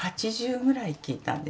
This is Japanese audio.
８０ぐらいきいた。